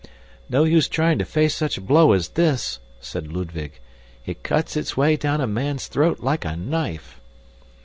"No use trying to face such a blow as this," said Ludwig. "It cuts its way down a man's throat like a knife."